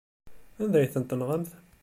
Anda ay tent-tenɣamt?